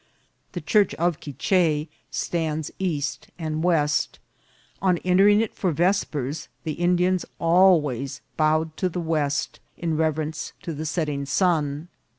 The church of Quiche stands east and west. On entering it for vespers the Indians always bowed to the west, in reverence to the setting sun.